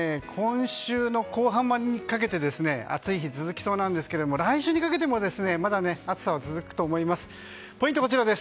今週の後半にかけて暑い日が続きそうなんですが来週にかけてもまだ暑さは続くと思います。